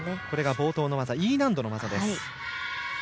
冒頭の技、Ｅ難度の技です。